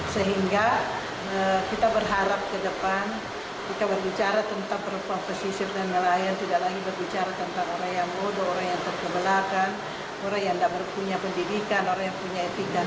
sehingga kita berharap ke depan kita berbicara tentang perempuan pesisir dan nelayan tidak lagi berbicara tentang orang yang bodoh orang yang terkebelakang orang yang tidak punya pendidikan orang yang punya etika